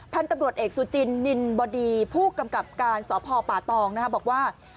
พันธุ์ตำรวจเอกสุจินนินบดีผู้กำกับการสพป่าตองบอกว่า